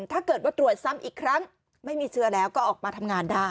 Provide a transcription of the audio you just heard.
ถ้าเกิดว่าตรวจซ้ำอีกครั้งไม่มีเชื้อแล้วก็ออกมาทำงานได้